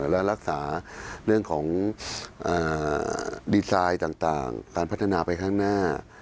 และรักษาเรื่องของดีไซน์ต่างการพัฒนาไปข้างหน้า